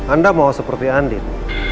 anda mau seperti andin